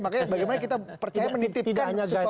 makanya bagaimana kita percaya menitipkan sesuatu yang penting